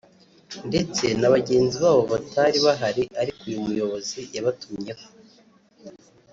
ndetse na bagenzi babo batari bahari ariko uyu muyobozi yabatumyeho